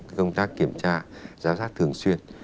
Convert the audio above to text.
cái công tác kiểm tra giáo sát thường xuyên